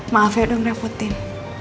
maaf ya udah ngerepotin